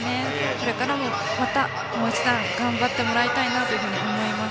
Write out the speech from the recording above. これからももう１段頑張ってもらいたいなと思います。